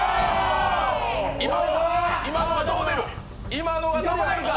今のがどう出るか！？